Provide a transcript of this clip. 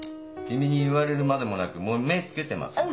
君に言われるまでもなくもう目はつけてます。